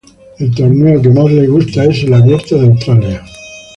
El torneo que más le gusta es el Abierto de Australia.